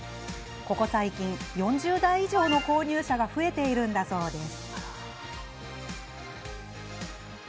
ここ最近、４０代以上の購入者が増えているんだそうです。